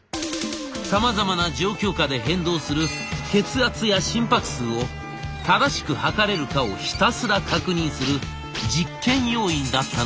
さまざまな状況下で変動する血圧や心拍数を正しく測れるかをひたすら確認する実験要員だったのでございます。